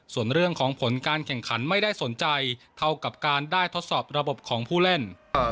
ส่วนเรื่องของผลการแข่งขันไม่ได้สนใจเท่ากับการได้ทดสอบระบบของผู้เล่น